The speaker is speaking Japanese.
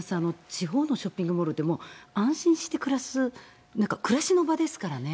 地方のショッピングモールってもう、安心して暮らす、なんか、暮らしの場ですからね。